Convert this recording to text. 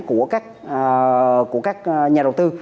của các nhà đầu tư